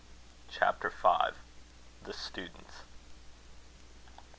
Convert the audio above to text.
CHAPTER V. THE STUDENTS.